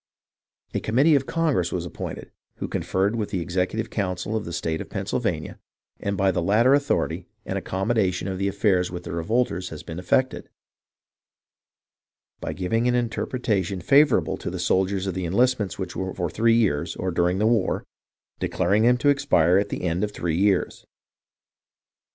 A committee of Congress was appointed, who conferred with the executive council of the state of Pennsylvania, and by the latter authority an accommodation of the affairs with the revolters has been effected, by giving an interpretation favourable to the soldiers of the enlistments which were for three years or during the war, declaring them to expire at the end of three years.